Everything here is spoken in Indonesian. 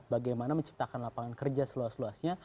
bagaimana menciptakan lapangan kerja seluas luasnya